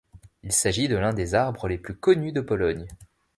Il s'agit de l'un des arbres les plus connus de Pologne.